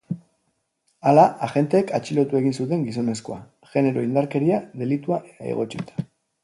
Hala, agenteek atxilotu egin zuten gizonezkoa, genero indarkeria delitua egotzita.